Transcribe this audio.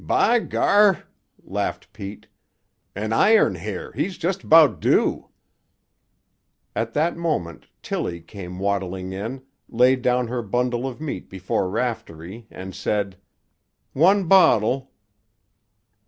"By Gar!" laughed Pete. "An' Iron Hair, he's just 'bout due." At that moment Tillie came waddling in, laid down her bundle of meat before Raftery and said— "One bottle."